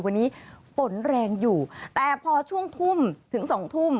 วันนี้ฝนแรงอยู่แต่พอช่วงทุ่มถึงสองทุ่ม